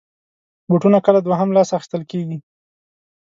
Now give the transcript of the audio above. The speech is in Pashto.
بوټونه کله دوهم لاس اخېستل کېږي.